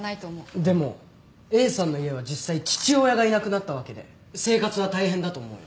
でもＡさんの家は実際父親がいなくなったわけで生活は大変だと思うよ。